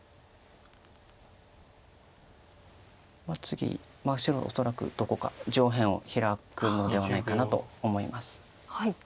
次白恐らくどこか上辺をヒラくのではないかなと思います。